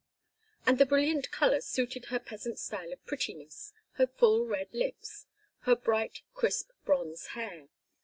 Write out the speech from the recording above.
And the brilliant color suited her peasant style of prettiness, her full red lips, her bright crisp bronze hair.